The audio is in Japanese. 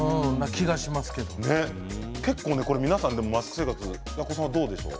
結構、皆さんマスク生活奴さんはどうでしょう？